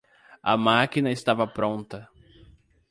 A máquina estava pronta